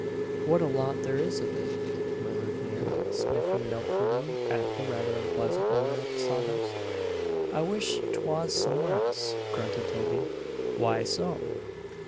"What a lot there is of it!" murmured Nan, sniffing doubtfully at the rather unpleasant odor of the sawdust. "I wish't 'twas somewhere else," grunted Toby. "Why so?"